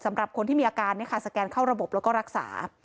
สำหรับคนที่มีอาการสแกนเข้าระบบแล้วก็รักษา